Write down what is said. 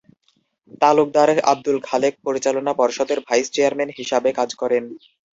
তালুকদার আবদুল খালেক পরিচালনা পর্ষদের ভাইস-চেয়ারম্যান হিসাবে কাজ করেন।